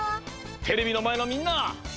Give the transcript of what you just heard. テレビのまえのみんな！